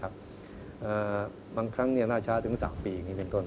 บางครั้งราชะถึง๓ปี